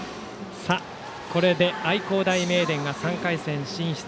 これで愛工大名電が３回戦進出。